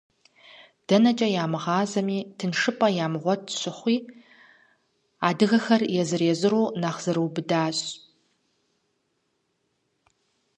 Дэнэкӏэ ямыгъэзами тыншыпӏэ ямыгъуэт щыхъуи, адыгэхэр езыр-езырурэ нэхъ зэрыубыдащ.